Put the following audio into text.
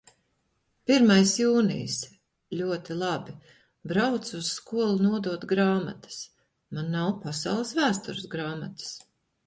Pirmais jūnijs. Ļoti labi. Braucu uz skolu nodot grāmatas. Man nav pasaules vēstures grāmatas.